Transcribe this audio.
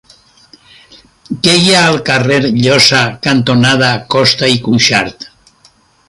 Què hi ha al carrer Llosa cantonada Costa i Cuxart?